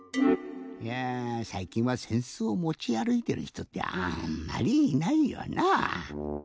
いやさいきんはせんすをもちあるいてるひとってあんまりいないよなぁ。